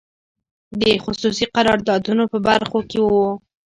د خصوصي قراردادونو په برخو کې وو.